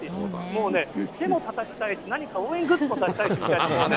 もうね、手もたたきたいし、何か応援グッズも出したいし。